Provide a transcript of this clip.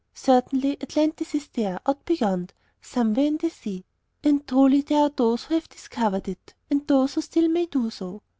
Certainly, Atlantis is there, out beyond, somewhere in the sea; and truly there are those who have discovered it, and those who still may do so.